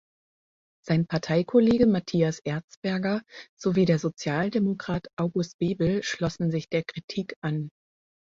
Sein Parteikollege Matthias Erzberger sowie der Sozialdemokrat August Bebel schlossen sich der Kritik an.